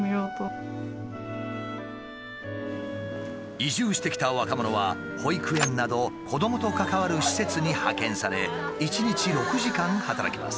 移住してきた若者は保育園など子どもと関わる施設に派遣され１日６時間働きます。